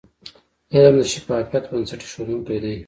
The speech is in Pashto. علم د شفافیت بنسټ ایښودونکی د.